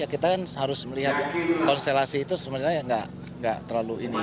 kita harus melihat konstelasi itu sebenarnya tidak terlalu ini